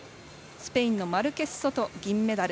スペインのマルケスソト銀メダル。